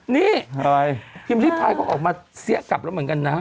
นี่พิมพ์ริพายก็ออกมาเสี้ยกลับแล้วเหมือนกันนะ